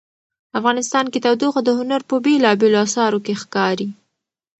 افغانستان کې تودوخه د هنر په بېلابېلو اثارو کې ښکاري.